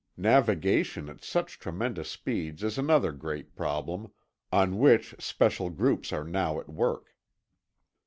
Navigation at such tremendous speeds is another great problem, on which special groups are now at work.